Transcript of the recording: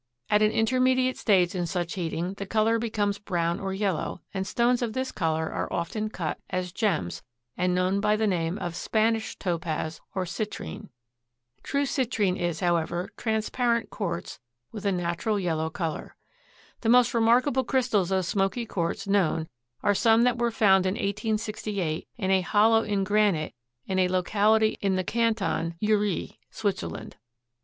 At an intermediate stage in such heating the color becomes brown or yellow, and stones of this color are often cut as gems and known by the name of "Spanish topaz" or "citrine." True citrine is, however, transparent quartz with a natural yellow color. The most remarkable crystals of smoky quartz known are some that were found in 1868 in a hollow in granite in a locality in the Canton Uri, Switzerland.